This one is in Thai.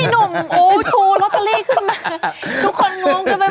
พี่หนุ่มโอ้ชูล็อตเตอรี่ขึ้นมา